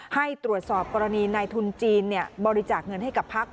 ให้ตรวจสอบกรณีในทุนจีนบริจาคเงินให้กับพัก